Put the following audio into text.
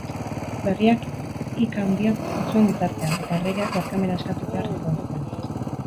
Berriak ika-handia piztu zuen gizartean, eta erregeak barkamena eskatu behar izan zuen.